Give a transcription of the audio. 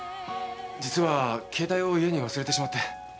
実は携帯を家に忘れてしまって。